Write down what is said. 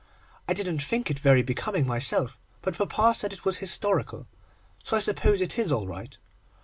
I didn't think it very becoming myself, but papa said it was historical, so I suppose it is all right.